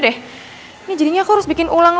haji uang saja isinya harus dikelebar lalu